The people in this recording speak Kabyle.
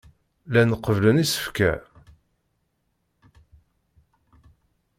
Llan qebblen isefka.